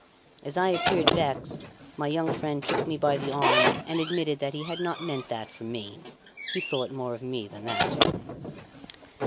As I appeared vexed, my young friend took me by the arm and admitted that he had not meant that for me; he thought more of me than that.